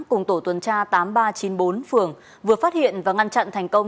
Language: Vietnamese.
cùng tổ tuần tra tám nghìn ba trăm chín mươi bốn phường vừa phát hiện và ngăn chặn thành công